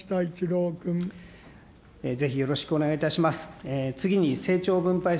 ぜひよろしくお願いいたします。